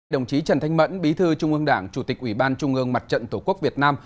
đồng chí trần thanh mẫn bí thư trung ương đảng chủ tịch ủy ban trung ương mặt trận tổ quốc việt nam